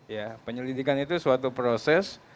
ya penyelidikan itu suatu proses